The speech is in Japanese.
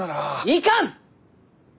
いかん！